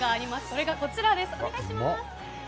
それがこちらです。